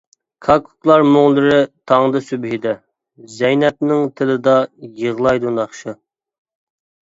كاككۇكلار مۇڭلىرى تاڭدا سۈبھىدە، زەينەپنىڭ تىلىدا يىغلايدۇ ناخشا.